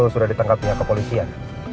sudah ditangkapnya kepolisian